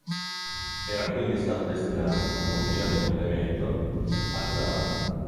Era quindi stato destinato, come ufficiale di complemento, a Zara.